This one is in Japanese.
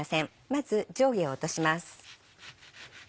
まず上下を落とします。